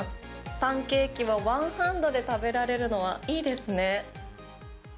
パンケーキをワンハンドで食べられるのはいいですね。